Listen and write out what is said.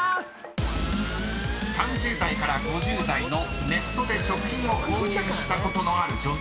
［３０代から５０代のネットで食品を購入したことのある女性］